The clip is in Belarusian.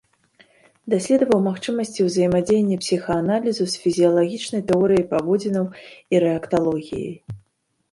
Даследаваў магчымасці ўзаемадзеяння псіхааналізу з фізіялагічнай тэорыяй паводзінаў і рэакталогіяй.